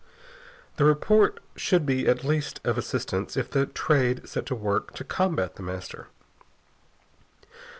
The report should at least be of assistance if the Trade set to work to combat The Master.